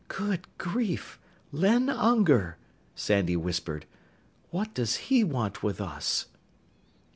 "Good grief! Len Unger!" Sandy whispered. "What does he want with us?"